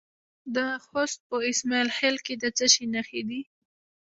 د خوست په اسماعیل خیل کې د څه شي نښې دي؟